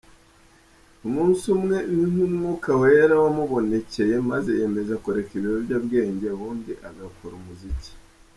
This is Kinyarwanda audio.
Umunsi umwe, ni nk’umwuka wera wamubonekeye maze yiyemeza kureka ibiyobyebwenga ubundi agakora umuziki.